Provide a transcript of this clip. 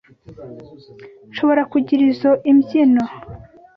Nshobora kugira izoi mbyino?